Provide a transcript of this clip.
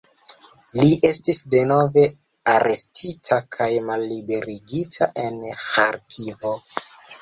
Li estis denove arestita kaj malliberigita en Ĥarkivo.